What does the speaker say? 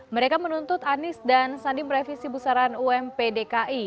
mereka menuntut anies dan sandi merevisi besaran ump dki